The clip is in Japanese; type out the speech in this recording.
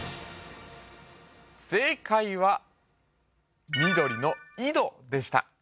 正解は緑の井戸でした